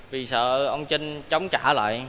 vì sợ ông trinh chống trả lại